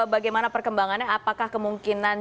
bagaimana perkembangannya apakah kemungkinan